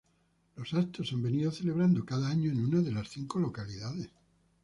Los actos se han venido celebrando cada año en una de las cinco localidades.